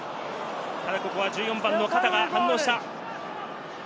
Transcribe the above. ただ、ここは１４番のカタが反応した。